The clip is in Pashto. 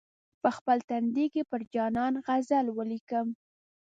په خپل تندي کې پر جانان غزل ولیکم.